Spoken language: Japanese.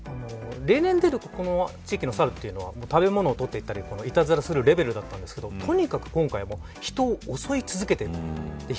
例年出る、ここの地域のサルは食べ物を取っていたりいたずらするレベルだったんですがとにかく今回は人を襲い続けている。